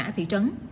phường thị trấn